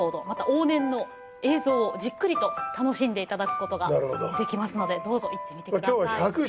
また往年の映像をじっくりと楽しんで頂くことができますのでどうぞ行ってみて下さい。